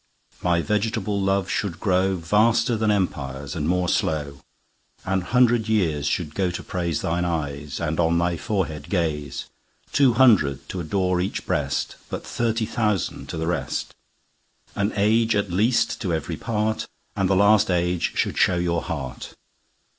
My vegetable Love should growVaster then Empires, and more slow. An hundred years should go to praiseThine Eyes, and on thy Forehead Gaze.Two hundred to adore each Breast:But thirty thousand to the rest. An Age at least to every part, And the last Age should show your Heart.